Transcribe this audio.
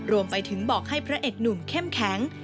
รวมไปถึงบอกให้พระเอกหนุ่มเข้มแข็ง